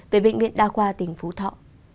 về bệnh viện đa khoa tỉnh phú thọ